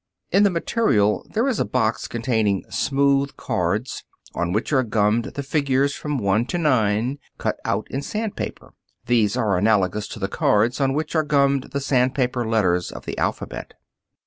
In the material there is a box containing smooth cards, on which are gummed the figures from one to nine, cut out in sandpaper. These are analogous to the cards on which are gummed the sandpaper letters of the alphabet.